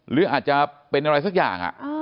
หรืออาจจะเป็นอะไรสักอย่าง